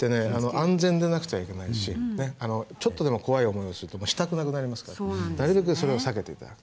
安全でなくてはいけないしねちょっとでも怖い思いをするともうしたくなくなりますからなるべくそれを避けて頂くと。